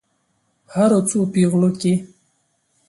په هرو څو پیغلو کې.